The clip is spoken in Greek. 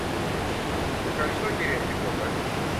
Ευχαριστώ, κύριε Επίτροπε.